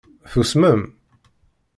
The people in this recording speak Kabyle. Tusmem?